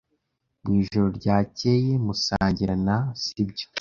Mwijoro ryakeye musangira na , sibyo?